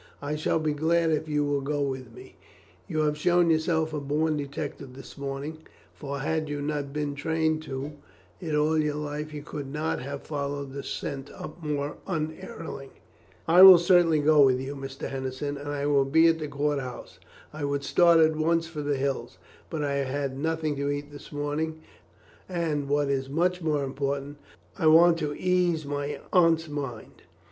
I shall be glad if you will go with me; you have shown yourself a born detective this morning, for had you been trained to it all your life you could not have followed the scent up more unerringly." "I will certainly go with you, Mr. Henderson, and I will be at the court house. I would start at once for the hills, but I have had nothing to eat this morning, and, what is much more important, I want to ease my aunt's mind.